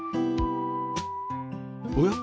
おや？